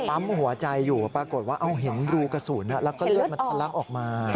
ปั๊มหัวใจอยู่ปรากฏว่าเอาเห็นรูกระสุนแล้วก็เลือดมันทะลักออกมา